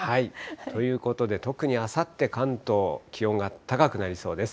ということで、特にあさって、関東、気温が高くなりそうです。